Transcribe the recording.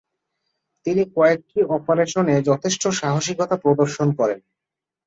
তিনি কয়েকটি অপারেশনে যথেষ্ট সাহসিকতা প্রদর্শন করেন।